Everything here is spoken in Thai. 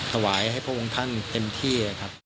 ถวายให้พวกคุณท่านเต็มที่นะครับ